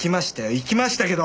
行きましたけど。